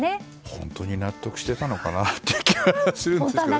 本当に納得していたのかなっていう気がするんですけど。